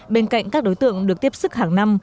bên cạnh các đối tượng được tiếp sức hàng năm